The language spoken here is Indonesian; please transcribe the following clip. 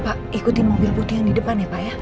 pak ikutin mobil putih yang di depan ya pak ya